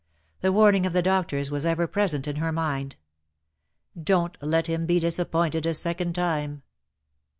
The warning of the doctors was ever present in her mind. "Don't let him be disappointed a second time."